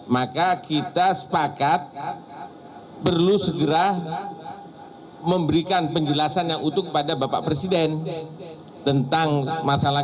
maka kita sepakat perlu segera memberikan penjelasan yang utuh kepada bapak presiden tentang masalah